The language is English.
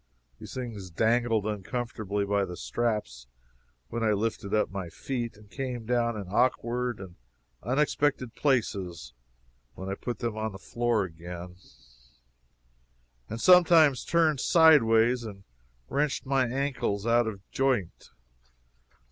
These things dangled uncomfortably by the straps when I lifted up my feet, and came down in awkward and unexpected places when I put them on the floor again, and sometimes turned sideways and wrenched my ankles out of joint.